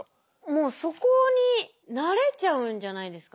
もうそこに慣れちゃうんじゃないですかね。